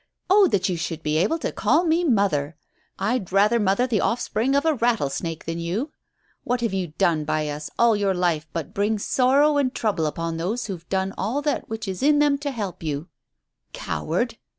Oh, that you should be able to call me 'mother.' I'd rather mother the offspring of a rattlesnake than you. What have you done by us all your life but bring sorrow an' trouble upon those who've done all that which in them is to help you? Coward!